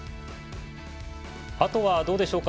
あとは、どうでしょうか。